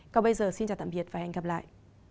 còn bây giờ xin chào tạm biệt và hẹn gặp lại